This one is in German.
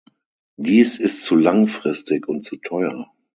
Dies ist zu langfristig und zu teuer.